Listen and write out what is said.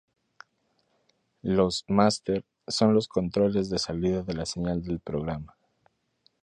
Los "master" son los controles de salida de la señal de programa.